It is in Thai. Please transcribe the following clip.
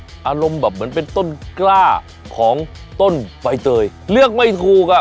อารมณ์แบบเหมือนเป็นต้นกล้าของต้นใบเตยเลือกไม่ถูกอ่ะ